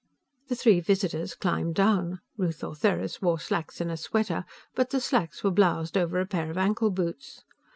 The three visitors climbed down. Ruth Ortheris wore slacks and a sweater, but the slacks were bloused over a pair of ankle boots.